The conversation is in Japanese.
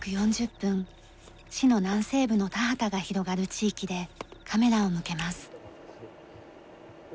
市の南西部の田畑が広がる地域でカメラを向けます。